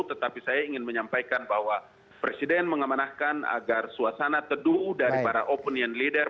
tetapi saya ingin menyampaikan bahwa presiden mengamanahkan agar suasana teduh dari para opinion leader